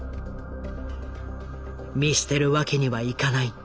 見捨てるわけにはいかない。